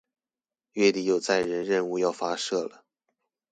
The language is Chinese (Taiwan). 月底有載人任務要發射了